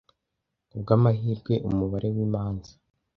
Kubwa amahirwe umubare w’imanza